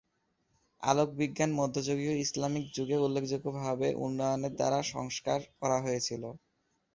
আলোকবিজ্ঞান মধ্যযুগীয় ইসলামিক যুগে উল্লেখযোগ্যভাবে উন্নয়নের দ্বারা সংস্কার করা হয়েছিল।